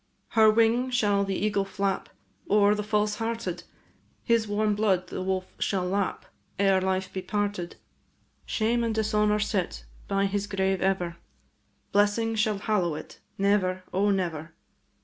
Her wing shall the eagle flap O'er the false hearted; His warm blood the wolf shall lap Ere life be parted. Shame and dishonour sit By his grave ever; Blessing shall hallow it, Never, O never!